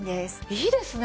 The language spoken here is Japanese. いいですね